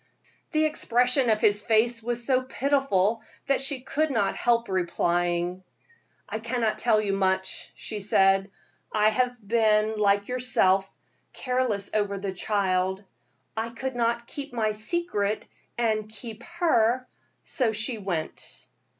The expression of his face was so pitiful that she could not help replying. "I cannot tell you much," she said. "I have been, like yourself, careless over the child. I could not keep my secret and keep her, so she went."